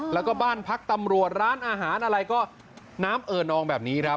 แล้วก็บ้านพักตำรวจร้านอาหารอะไรก็น้ำเอ่อนองแบบนี้ครับ